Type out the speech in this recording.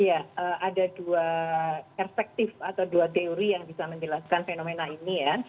ya ada dua perspektif atau dua teori yang bisa menjelaskan fenomena ini ya